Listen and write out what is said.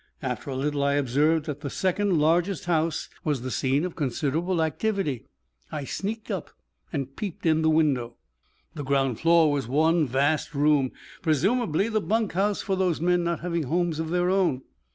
After a little, I observed that the second largest house was the scene of considerable activity, and I sneaked up and peeped in the window. The ground floor was one vast room, presumably the bunk house for those men not having homes of their own.